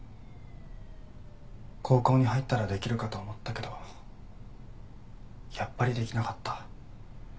「高校に入ったらできるかと思ったけどやっぱりできなかった」